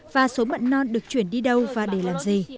và số mận non được chuyển đi đâu và để làm gì